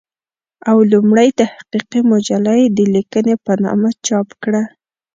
او لومړۍ تحقيقي مجله يې د "ليکنې" په نامه چاپ کړه